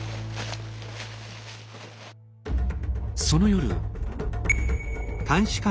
その夜。